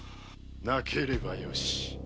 無ければよし。